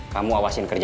kamu awasin kerja